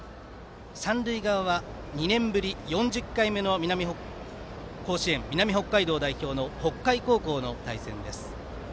三塁側は２年ぶり４０回目の甲子園です、南北海道の北海高校の対戦です。